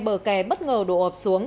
bờ kè bất ngờ đổ ập xuống